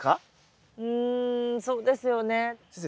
うんそうですよね。